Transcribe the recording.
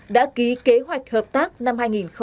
đã ký kế hoạch hợp tác năm hai nghìn hai mươi